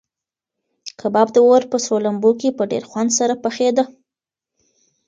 کباب د اور په سرو لمبو کې په ډېر خوند سره پخېده.